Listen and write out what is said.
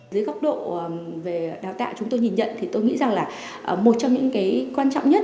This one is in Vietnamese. dưới góc độ về đào tạo chúng tôi nhìn nhận thì tôi nghĩ rằng là một trong những cái quan trọng nhất